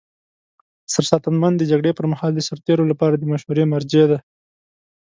سرساتنمن د جګړې پر مهال د سرتیرو لپاره د مشورې مرجع دی.